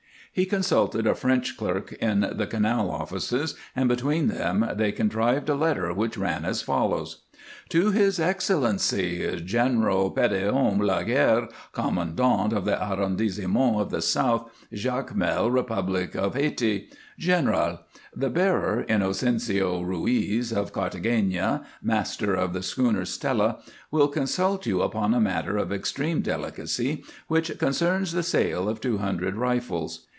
He consulted a French clerk in the Canal offices, and between them they contrived a letter which ran as follows: To His Excellency, General Petithomme Laguerre, Commandant of the Arrondissement of the South, Jacmel, Republic of Hayti. GENERAL, The bearer, Inocencio Ruiz, of Cartagena, master of the schooner Stella, will consult you upon a matter of extreme delicacy which concerns the sale of two hundred rifles.